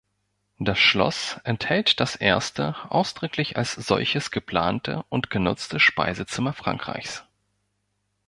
Das Schloss enthält das erste ausdrücklich als solches geplante und genutzte Speisezimmer Frankreichs.